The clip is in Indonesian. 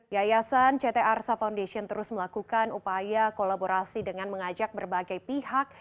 yayasan ct arsa foundation terus melakukan upaya kolaborasi dengan mengajak berbagai pihak